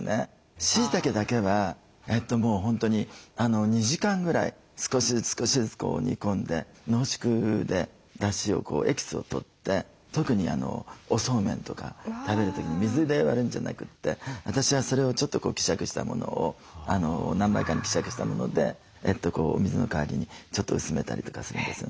しいたけだけはもう本当に２時間ぐらい少しずつ少しずつ煮込んで濃縮でだしをエキスをとって特におそうめんとか食べる時に水で割るんじゃなくて私はそれをちょっと希釈したものを何倍かに希釈したものでお水の代わりにちょっと薄めたりとかするんですよね。